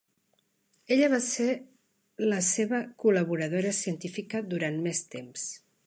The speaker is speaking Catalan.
Ella va ser la seva col·laboradora científica durant més temps.